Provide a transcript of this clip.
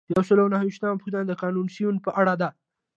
یو سل او نهه ویشتمه پوښتنه د کنوانسیون په اړه ده.